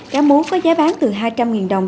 cá mú có giá bán từ hai trăm linh đồng